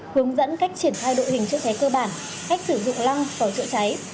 hướng dẫn cách triển thai đội hình chữa cháy cơ bản cách sử dụng lăng vào chữa cháy